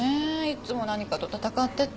いっつも何かと闘ってて。